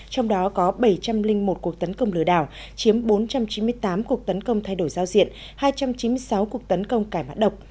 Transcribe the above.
trong đó có bảy trăm linh một cuộc tấn công lửa đảo chiếm bốn trăm chín mươi tám cuộc tấn công thay đổi giao diện hai trăm chín mươi sáu cuộc tấn công cải mạng độc